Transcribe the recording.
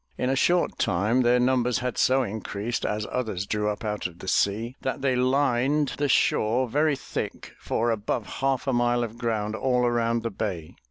In a short time their numbers had so increased as others drew up out of the sea that they lined 333 M Y BOOK HOUSE the shore very thick for above half a mile of ground all around the bay.